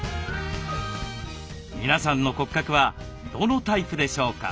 皆さんの骨格はどのタイプでしょうか？